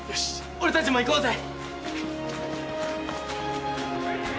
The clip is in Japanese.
俺たちも行こうぜ！